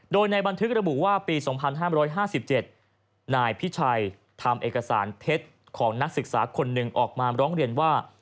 โดยในบันทึกระบุว่าปี๒๕๕๗นายพิชัยทำเอกสารเท็จของนักศึกษาคนหนึ่งออกมาร้องเรียนว่า